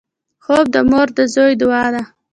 خوب د مور د زوی دعا ده